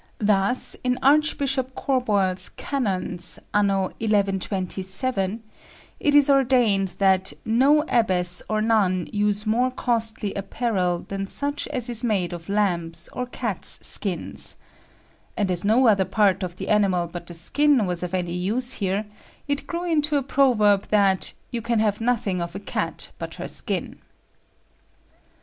Thus, in Archbishop Corboyle's 'Canons,' anno 1127, it is ordained 'that no abbess or nun use more costly apparel than such as is made of lambs' or cats' skins,' and as no other part of the animal but the skin was of any use here, it grew into a proverb that 'You can have nothing of a cat but her skin.'